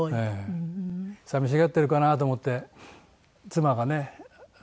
寂しがってるかなと思って妻がね